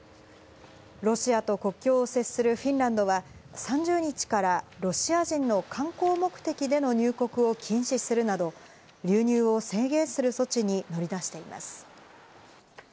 ロシアと国境を接するフィンランドは、３０日からロシア人の観光目的での入国を禁止するなど、流入を制限する措置に乗り出しています。